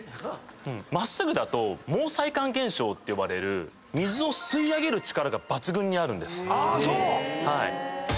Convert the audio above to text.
真っすぐだと毛細管現象って呼ばれる水を吸い上げる力が抜群にあるんです。